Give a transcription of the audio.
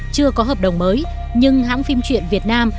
chưa có hợp đồng mới nhưng hãng phim truyện việt nam